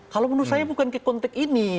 kalau menurut saya bukan kekonteks ini